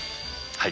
はい。